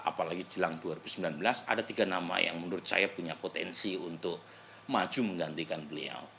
apalagi jelang dua ribu sembilan belas ada tiga nama yang menurut saya punya potensi untuk maju menggantikan beliau